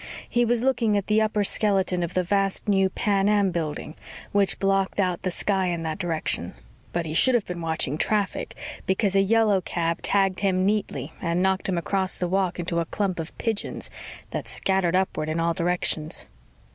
He was looking at the upper skeleton of the vast new Pan Am Building which blocked out the sky in that direction. But he should have been watching traffic because a yellow cab tagged him neatly and knocked him across the walk into a clump of pigeons that scattered upward in all directions.